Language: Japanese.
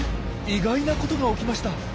意外なことが起きました。